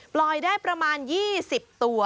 ปล่อยได้ประมาณ๒๐ตัว